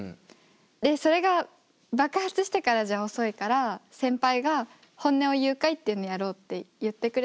でそれが爆発してからじゃ遅いから先輩が本音を言う会っていうのをやろうって言ってくれて。